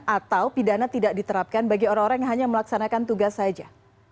atau pidana tidak diterapkan bagi orang orang yang hanya melaksanakan tugas saja